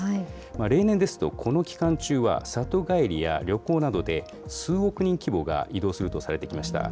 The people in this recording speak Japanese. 例年ですと、この期間中は里帰りや旅行などで、数億人規模が移動するとされてきました。